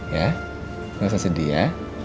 ya enggak usah sedih ya